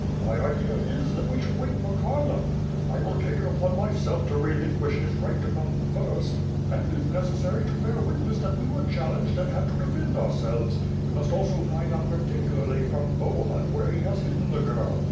My idea is, that we should wait for Kharlamp. I will take it upon myself to relinquish his right to come first; and, if necessary, to bear witness that we were challenged and had to defend ourselves. We must also find out particularly from Bohun where he has hidden the girl.